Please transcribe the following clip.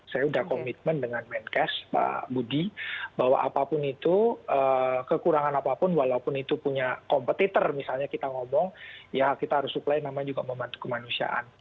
saya sudah komitmen dengan menkes pak budi bahwa apapun itu kekurangan apapun walaupun itu punya kompetitor misalnya kita ngomong ya kita harus supply namanya juga membantu kemanusiaan